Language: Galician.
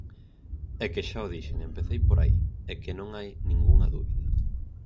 É que xa o dixen, empecei por aí, é que non hai ningunha dúbida.